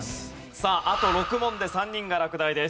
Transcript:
さああと６問で３人が落第です。